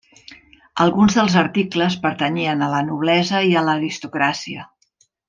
Alguns dels articles pertanyien a la noblesa i a l'aristocràcia.